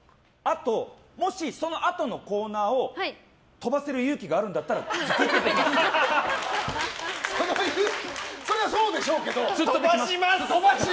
もし、そのあとコーナーを飛ばせる勇気があるんだったらそりゃそうでしょうけど！